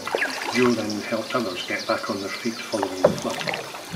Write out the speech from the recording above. Jo then helped others get back on their feet following the flood.